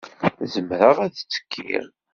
Zemreɣ ad ttekkiɣ?.